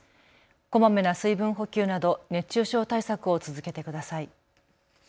こまめな水分補給など熱中症対策を続けてください。